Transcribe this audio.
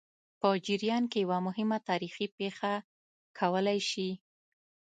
په جریان کې یوه مهمه تاریخي پېښه کولای شي.